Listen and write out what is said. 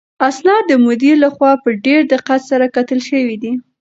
اسناد د مدیر لخوا په ډېر دقت سره کتل شوي دي.